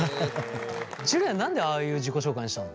樹は何でああいう自己紹介にしたの？